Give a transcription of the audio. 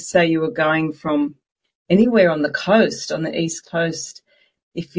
dan itu cukup mudah untuk dilakukan